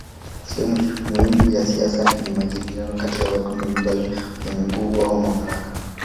Sehemu muhimu ya siasa ni majadiliano kati ya watu mbalimbali wenye nguvu au mamlaka.